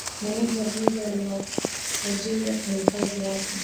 Meneja wa benki aliwasajili wafanyikazi wapya